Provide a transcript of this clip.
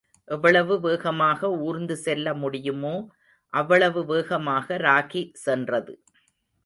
எவ்வளவு வேகமாக ஊர்ந்து செல்ல முடியுமோ அவ்வளவு வேகமாக ராகி சென்றது.